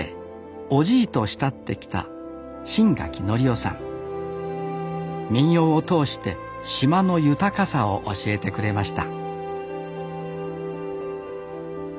おじいと慕ってきた民謡を通して島の豊かさを教えてくれました